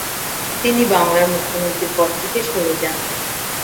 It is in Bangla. তিনি বাংলার মুখ্যমন্ত্রীর পদ থেকে সরে যান।